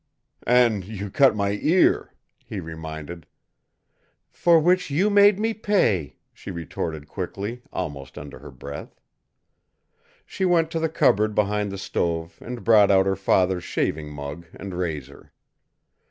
"And you cut my ear," he reminded. "For which you made me pay," she retorted quickly, almost under her breath. She went to the cupboard behind the stove, and brought out her father's shaving mug and razor.